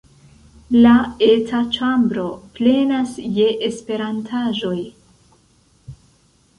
La eta ĉambro plenas je Esperantaĵoj.